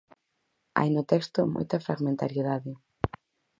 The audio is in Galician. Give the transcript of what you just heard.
Hai no texto moita fragmentariedade.